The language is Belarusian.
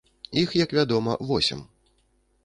Іх, як вядома, восем.